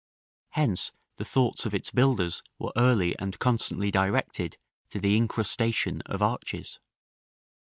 Hence the thoughts of its builders were early and constantly directed to the incrustation of arches.